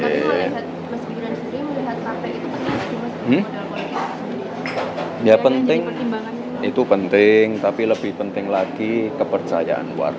ya penting itu penting tapi lebih penting lagi kepercayaan warga